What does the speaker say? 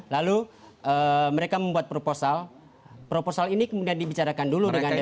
lalu mereka membuat proposal proposal ini kemudian dibicarakan dulu dengan dpr